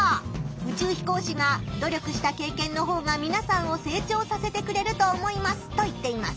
宇宙飛行士が「努力した経験のほうがみなさんを成長させてくれると思います」と言っています。